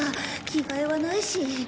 着替えはないし。